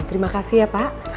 terima kasih ya pak